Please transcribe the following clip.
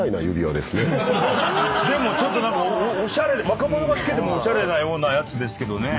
でもちょっと何かおしゃれ若者が着けてもおしゃれなようなやつですけどね。